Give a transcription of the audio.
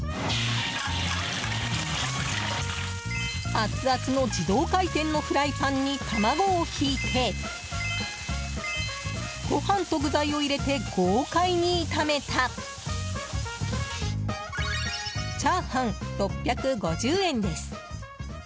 アツアツの自動回転のフライパンに卵を引いてご飯と具材を入れて豪快に炒めたチャーハン、６５０円です。